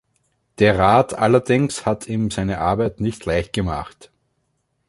Der Rat allerdings hat ihm seine Arbeit nicht leicht gemacht.